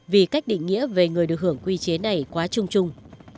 vì cách định nghĩa về người được hưởng quy chế này quá trung trung